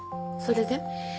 それで？